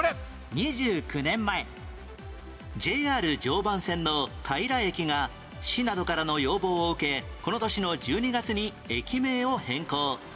２９年前 ＪＲ 常磐線の平駅が市などからの要望を受けこの年の１２月に駅名を変更